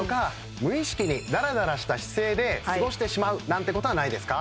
無意識にダラダラした姿勢で過ごしてしまうなんてことはないですか？